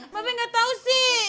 babe gak tau sih